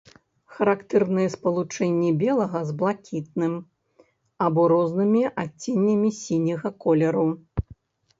Характэрныя спалучэнні белага з блакітным або рознымі адценнямі сіняга колеру.